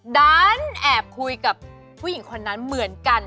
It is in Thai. ดันแอบคุยกับผู้หญิงคนนั้นเหมือนกัน